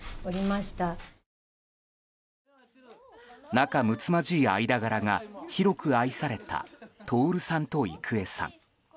仲むつまじい間柄が広く愛された徹さんと郁恵さん。